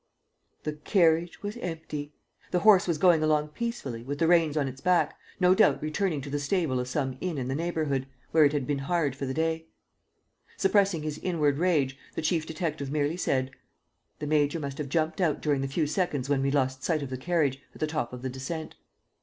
The carriage was empty. The horse was going along peacefully, with the reins on its back, no doubt returning to the stable of some inn in the neighborhood, where it had been hired for the day. ... Suppressing his inward rage, the chief detective merely said: "The major must have jumped out during the few seconds when we lost sight of the carriage, at the top of the descent."